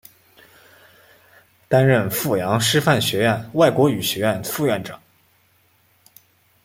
担任阜阳师范学院外国语学院副院长。